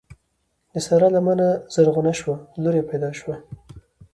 د سارا لمنه زرغونه شوه؛ لور يې پیدا شوه.